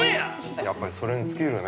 やっぱりそれに尽きるね。